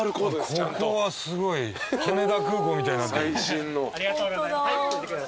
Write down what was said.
ここはすごい羽田空港みたいになってる。